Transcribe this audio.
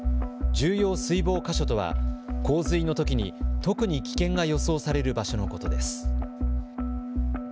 重要水防箇所とは洪水のときに特に危険が予想される場所のことです。